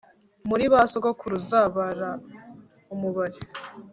Muri ba sogokuruza bara umubare